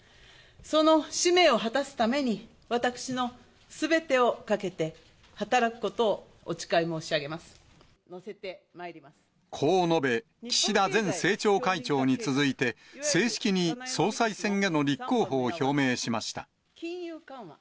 その使命を果たすために、私のすべてをかけて、こう述べ、岸田前政調会長に続いて、正式に総裁選への立候補を表明しました。